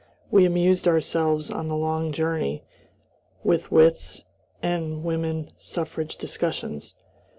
We amused ourselves on the long journey with whist and woman suffrage discussions.